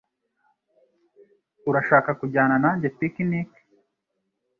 Urashaka kujyana nanjye picnic?